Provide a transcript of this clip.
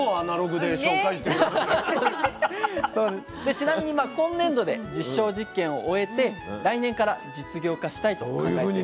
ちなみに今年度で実証実験を終えて来年から事業化したいと考えているそうです。